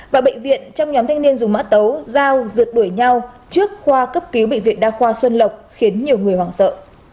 và bệnh viện trong nhóm thanh niên dùng mã tấu dao rượt đuổi nhau trước khoa cấp cứu bệnh viện đa khoa xuân lộc khiến nhiều người hoảng sợ